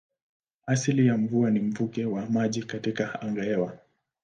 Asili ya mvua ni mvuke wa maji katika angahewa.